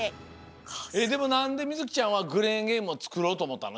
でもなんでみずきちゃんはクレーンゲームをつくろうとおもったの？